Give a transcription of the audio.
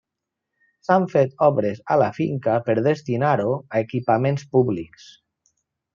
S'han fet obres a la finca per destinar-ho a equipaments públics.